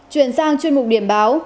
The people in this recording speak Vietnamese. chuyển sang chuyên mục điểm báo